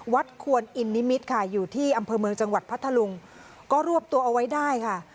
ควรอินนิมิตรค่ะอยู่ที่อำเภอเมืองจังหวัดพัทธลุงก็รวบตัวเอาไว้ได้ค่ะ